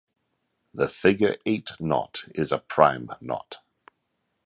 The figure-eight knot is a prime knot.